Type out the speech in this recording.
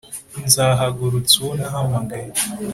nzahagurutsa uwo nahamagaye